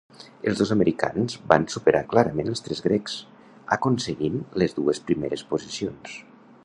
Els dos americans van superar clarament els tres grecs, aconseguint les dues primeres posicions.